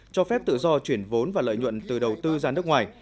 cho phép tự do chuyển vốn và lợi nhuận từ đầu tư ra nước ngoài